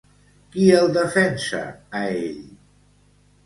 Qui el defensa, a ell?